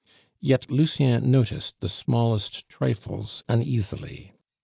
Yet Lucien noticed the smallest trifles uneasily.